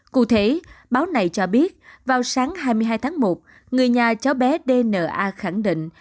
cụ thể báo này cho biết vào sáng hai mươi hai tháng một người nhà cháu bé dna khẳng định